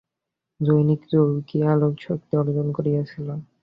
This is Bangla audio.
জনৈক যোগী অলৌকিক শক্তি অর্জন করিয়াছিলেন।